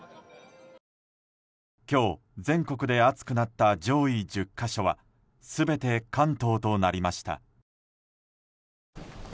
今日、全国で暑くなった上位１０か所は全て関東となりました。